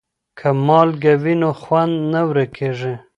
که مالګه وي نو خوند نه ورکیږي.